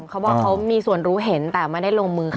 เขามีส่วนรู้เห็นแต่ไม่ได้ลงมือฆ่า